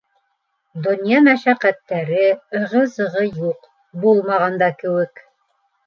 Донъя мәшәҡәттәре, ығы-зығы юҡ, булмаған да кеүек.